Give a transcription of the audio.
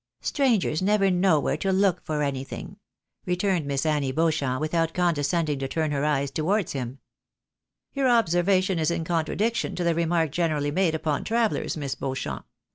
Strangers never know where 62 THE BARNABYS IN AMERICA. to look for anytMng," returned Miss Annie Beauchamp, without condescending to turn her eyes towards him. " Your observation is in contradiction to the remark generally made upon travellers, Miss Beauchamp.